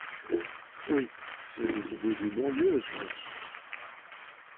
Oui, c’est des idées du bon Dieu, ça.